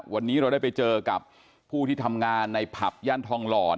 วันนี้เราได้ไปเจอกับผู้ที่ทำงานในผับย่านทองหล่อน